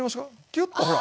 キュッとほら。